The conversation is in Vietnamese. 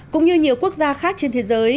cũng như nhiều quốc gia khác trên thế giới